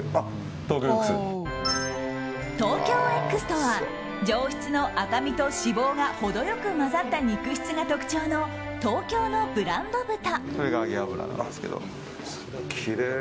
ＴＯＫＹＯＸとは上質の赤身と脂肪が程良く混ざった肉質が特徴の東京のブランド豚。